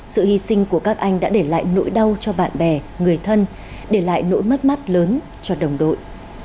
sự hy sinh của các anh đã để lại nỗi đau cho bạn bè người thân để lại nỗi mất mát lớn cho đồng đội